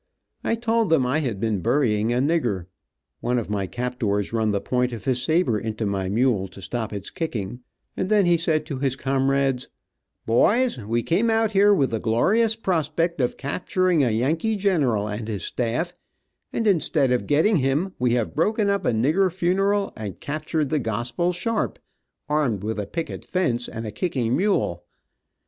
I told them I had been burying a nigger. One of my captors run the point of his saber into my mule, to stop its kicking, and then he said to his comrades, "Boys, we came out here with the glorious prospect of capturing a Yankee general and his staff, and instead of getting him, we have broken up a nigger funeral and captured the gospel sharp, armed with a picket fence, and a kicking mule.